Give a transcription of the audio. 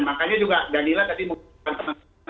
makanya juga danila tadi mengusulkan teman teman